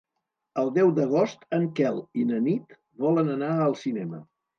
El deu d'agost en Quel i na Nit volen anar al cinema.